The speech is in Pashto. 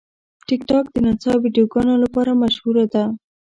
ټیکټاک د نڅا ویډیوګانو لپاره مشهوره ده.